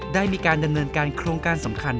ได้มีการดำเนินการโครงการสำคัญ